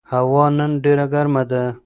هوا نن ډېره ګرمه ده.